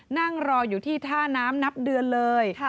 นั่งรออยู่ที่ท่าน้ำนับเดือนเลย